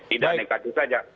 tidak negatif saja